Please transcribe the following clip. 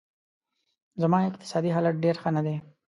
زما اقتصادي حالت ډېر ښه نه دی